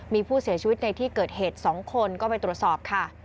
มีผู้เสียชีวิตในที่เกิดเหตุ๒คนก็ไปตรวจสอบค่ะ